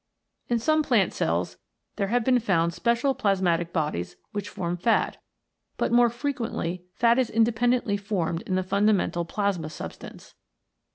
In some plant cells there have been found special plasmatic bodies which form fat, but more frequently fat is independently formed in the fundamental plasma substance.